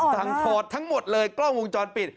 ถอดทั้งหมดเลยกล้องวงจรปิด